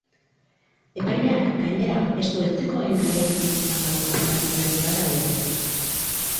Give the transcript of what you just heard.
Epaileak, gainera, ez du etxekoen arean izandako penalti argi bat adierazi.